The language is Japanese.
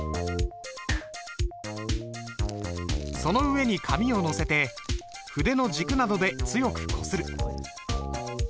その上に紙を載せて筆の軸などで強くこする。